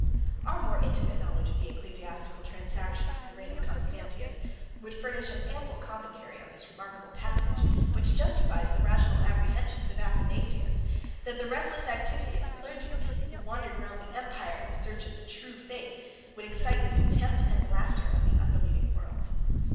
91 Our more intimate knowledge of the ecclesiastical transactions of the reign of Constantius would furnish an ample commentary on this remarkable passage, which justifies the rational apprehensions of Athanasius, that the restless activity of the clergy, who wandered round the empire in search of the true faith, would excite the contempt and laughter of the unbelieving world.